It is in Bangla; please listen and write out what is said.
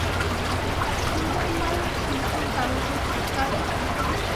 সুদালাইয়ের শিক্ষক তার উপর চিৎকার করে।